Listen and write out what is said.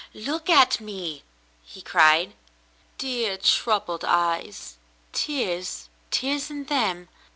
"Look at me," he cried. "Dear, troubled eyes. Tears? Tears in them